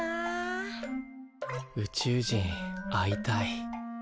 宇宙人会いたい。